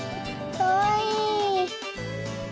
かわいい。